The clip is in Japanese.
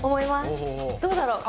どうだろう？